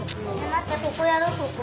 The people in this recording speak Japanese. まってここやろうここ。